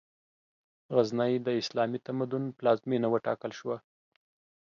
غزنی، د اسلامي تمدن پلازمېنه وټاکل شوه.